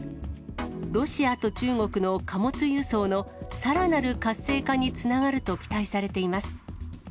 ロシアと中国の貨物輸送のさらなる活性化につながると期待されています。